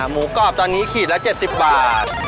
หมูกรอบตอนนี้ขีดละ๗๐บาท